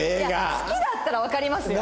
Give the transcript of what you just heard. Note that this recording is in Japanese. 好きだったらわかりますよ。